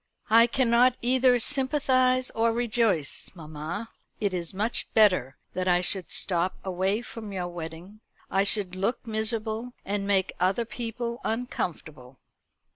"I cannot either sympathise or rejoice, mamma. It is much better that I should stop away from your wedding. I should look miserable, and make other people uncomfortable."